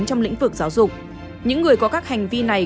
trong lĩnh vực giáo dục những người có các hành vi này